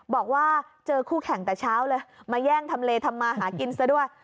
บอกว่าเจอคู่แข่งแต่เช้าเลยมาแย่งทำเลทำมาหากินซะด้วย